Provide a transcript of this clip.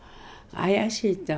怪しいと。